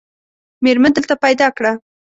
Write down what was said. مېرمن دلته پیدا کړه.